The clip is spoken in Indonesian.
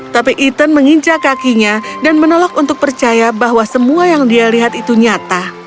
tapi ethan menginjak kakinya dan menolak untuk percaya bahwa semua yang dia lihat itu nyata